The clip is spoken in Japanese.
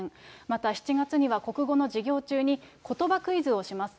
また７月には国語の授業中に、ことばクイズをします。